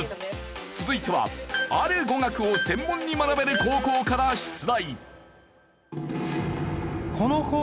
続いてはある語学を専門に学べる高校から出題。